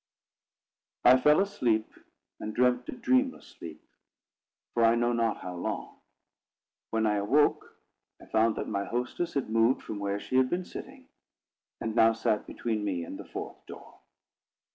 I fell asleep, and slept a dreamless sleep, for I know not how long. When I awoke, I found that my hostess had moved from where she had been sitting, and now sat between me and the fourth door.